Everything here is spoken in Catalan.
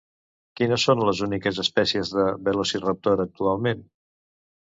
Quines són les úniques espècies de Velociraptor actualment?